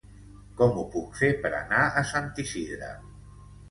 Com ho puc fer per anar a Sant Isidre?